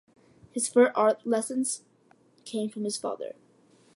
His first art lessons came from his father.